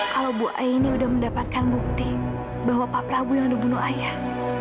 kalau bu aini udah mendapatkan bukti bahwa pak prabu yang ada bunuh ayah